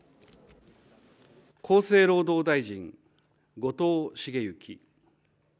厚生労働大臣、後藤茂之。